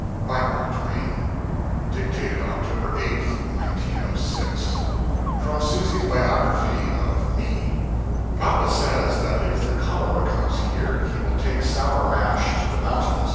BY MARK TWAIN. [Dictated October 8, 1906.] From Susy's Biography of Me. Papa says that if the collera comes here he will take Sour Mash to the mountains.